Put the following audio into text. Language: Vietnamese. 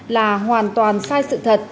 là hoàn toàn sai sự thật